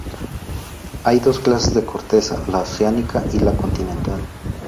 Hay dos clases de corteza: la oceánica y la continental.